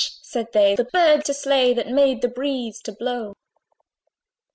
said they, the bird to slay That made the breeze to blow!